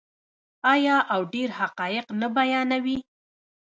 آیا او ډیر حقایق نه بیانوي؟